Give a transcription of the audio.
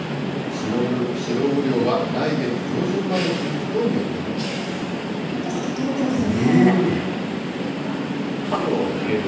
シロウオ漁は来月上旬まで続くと本当透き通ってますね。